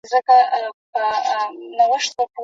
هغوی ته په مینه او حوصله غوږ ونیسئ.